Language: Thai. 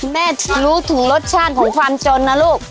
แม่รู้ถึงรสชาติของความจนนะลูก